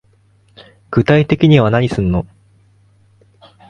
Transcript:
具体的には何すんの